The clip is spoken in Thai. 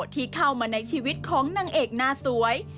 ที่เข้ามาในชีวิตของนางเอกหน้าสวย